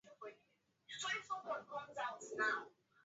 Kuenea kwa ugonjwa wa chambavu